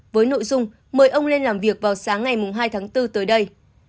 với nội dung mời ông lên làm việc vào sáng ngày hai tháng bốn tới đây